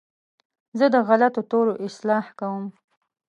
زه د غلطو تورو اصلاح کوم.